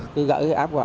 cứ gửi cái app rồi